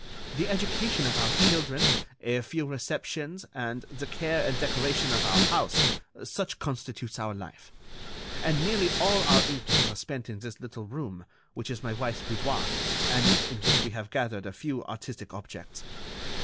The education of our children, a few receptions, and the care and decoration of our house—such constitutes our life; and nearly all our evenings are spent in this little room, which is my wife's boudoir, and in which we have gathered a few artistic objects.